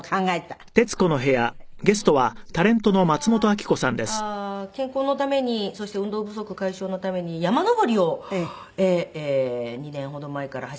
きっかけは健康のためにそして運動不足解消のために山登りを２年ほど前から始めまして。